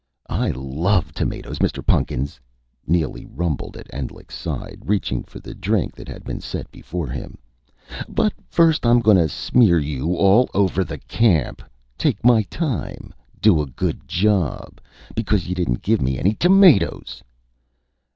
"I love tomatoes, Mr. Pun'kins," Neely rumbled at Endlich's side, reaching for the drink that had been set before him. "But first I'm gonna smear you all over the camp.... Take my time do a good job.... Because y'didn't give me any tomatoes...."